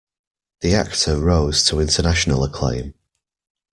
The actor rose to international acclaim.